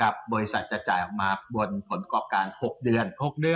บริษัทจะจ่ายออกมาบนผลประกอบการ๖เดือน